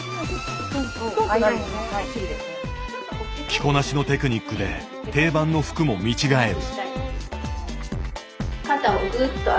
着こなしのテクニックで定番の服も見違える。